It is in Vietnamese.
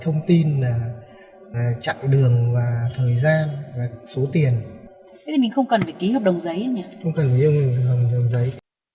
không cần phải ký hợp đồng giấy